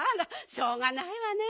しょうがないわねえ。